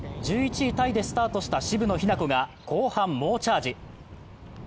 １１位タイでスタートした渋野日向子が後半、猛チャージ。